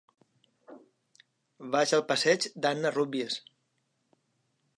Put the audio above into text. Vaig al passeig d'Anna Rúbies.